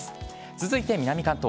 続いて南関東。